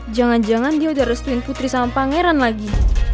jangan jangan dia udah restuin putri sama pangeran lagi